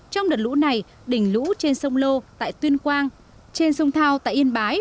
trong đợt lũ này đỉnh lũ trên sông lô tại tuyên quang trên sông thao tại yên bái